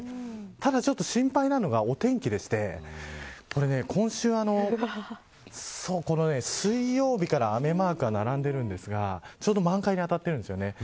ただちょっと心配なのがお天気で今週は水曜日から雨マークが並んでいるんですがちょうど満開に当たってるんですよね。